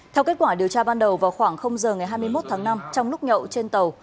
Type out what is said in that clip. theo kết quả điều tra ban đầu vào khoảng giờ ngày hai mươi một tháng năm trong lúc nhậu trên tàu